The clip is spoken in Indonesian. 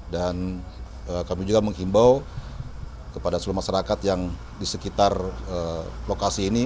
dan kami juga menghimbau kepada seluruh masyarakat yang di sekitar lokasi ini